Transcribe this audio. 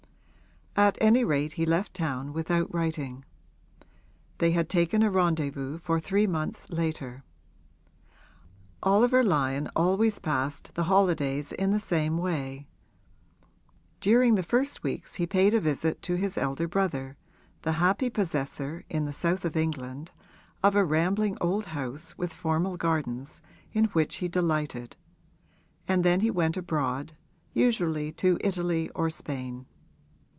At any rate he left town without writing; they had taken a rendezvous for three months later. Oliver Lyon always passed the holidays in the same way; during the first weeks he paid a visit to his elder brother, the happy possessor, in the south of England, of a rambling old house with formal gardens, in which he delighted, and then he went abroad usually to Italy or Spain.